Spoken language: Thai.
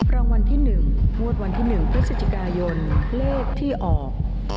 รางวัลที่หนึ่งมวดวัลที่หนึ่งพฤศจิกายนเลขที่ออก